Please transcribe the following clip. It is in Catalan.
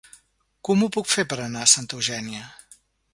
Com ho puc fer per anar a Santa Eugènia?